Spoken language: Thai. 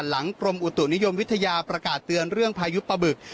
กรมอุตุนิยมวิทยาประกาศเตือนเรื่องพายุปะบึก